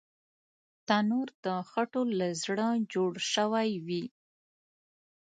تنور د خټو له زړه جوړ شوی وي